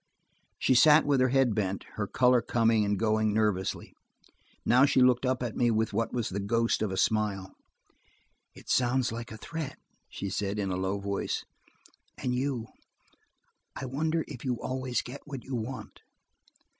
She sat with her head bent, her color coming and going nervously. Now she looked up at me with what was the ghost of a smile. "It sounds like a threat," she said in a low voice. "And you–I wonder if you always get what you want?"